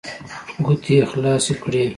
ګوتې يې خلاصې کړې.